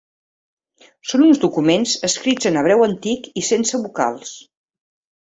Són uns documents escrits en hebreu antic i sense vocals.